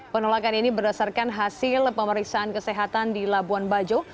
penolakan ini berdasarkan hasil pemeriksaan kesehatan di labuan bajo